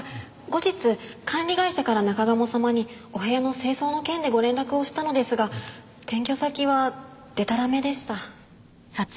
後日管理会社から中鴨様にお部屋の清掃の件でご連絡をしたのですが転居先はでたらめでした。